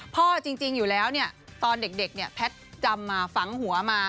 พ่อจริงอยู่แล้วตอนเด็กเนี่ยแพทย์จำมาฝังหัวมา